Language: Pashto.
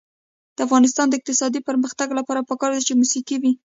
د افغانستان د اقتصادي پرمختګ لپاره پکار ده چې موسیقي وي.